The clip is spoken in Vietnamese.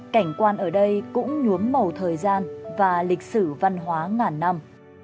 cảnh quan ở đây cũng nhuốm màu thời gian và lịch sử văn hóa ngàn năm